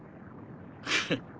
フッ。